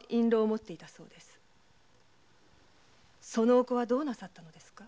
そのお子はどうなさったのですか？